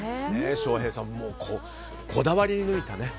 翔平さん、こだわり抜いたね。